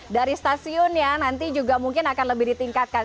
dari stasiun ya nanti juga mungkin akan lebih ditingkatkan